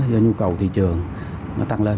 do nhu cầu thị trường nó tăng lên